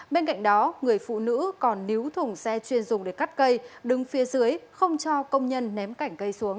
bên cạnh đó người phụ nữ còn níu thùng xe chuyên dùng để cắt cây đứng phía dưới không cho công nhân ném cảnh cây xuống